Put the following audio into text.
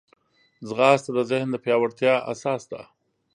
ځغاسته د ذهن د پیاوړتیا اساس ده